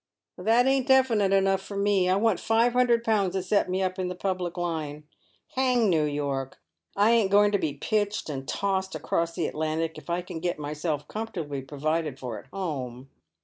" That ain't definite enough for me. I want five hundi ed pounds to set me up in the public line. Hang New York ! I ain't going to be pitched and tossed across the Atlantic if I can get myself comfortably provided for at home.